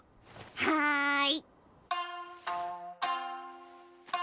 はい！